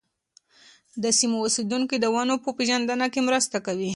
د سیمو اوسېدونکي د ونو په پېژندنه کې مرسته کوي.